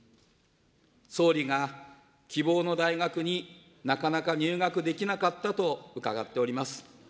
総理が希望の大学になかなか入学できなかったと伺っております。